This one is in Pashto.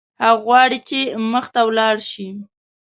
هغه غواړي چې مخته ولاړ شي.